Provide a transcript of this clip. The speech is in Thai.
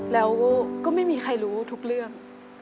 นึกว่ามีใครรู้ทุกเรื่อง